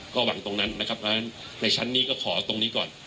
ก็หวังตรงนั้นนะครับในชั้นนี้ก็ขอตรงนี้ก่อน